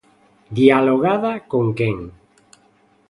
¿Dialogada con quen?